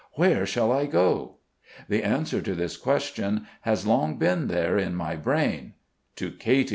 Where shall I go? The answer to this question has long been there in my brain: "To Katy."